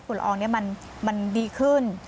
ฝุ่นละอองมันดีขึ้น